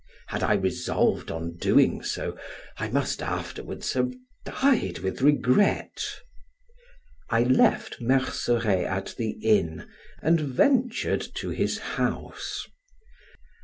Had I resolved on doing so, I must afterwards have died with regret. I left Merceret at the inn, and ventured to his house.